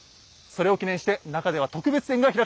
それを記念して中では特別展が開かれています。